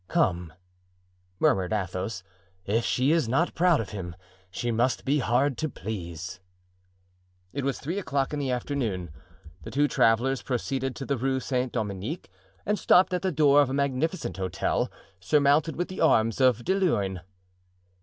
"Come," murmured Athos, "if she is not proud of him, she must be hard to please." It was three o'clock in the afternoon. The two travelers proceeded to the Rue Saint Dominique and stopped at the door of a magnificent hotel, surmounted with the arms of De Luynes.